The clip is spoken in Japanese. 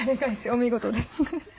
お見事です。